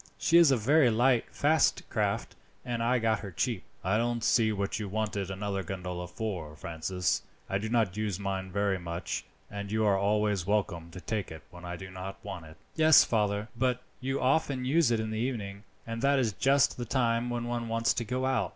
"She is a very light, fast craft, and I got her cheap." "I don't see what you wanted another gondola for, Francis. I do not use mine very much, and you are always welcome to take it when I do not want it." "Yes, father, but you often use it in the evening, and that is just the time when one wants to go out.